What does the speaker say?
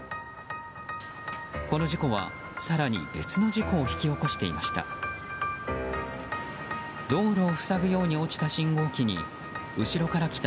この事故は、更に別の事故を引き起こしていました。